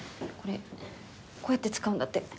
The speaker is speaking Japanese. これこうやって使うんだって。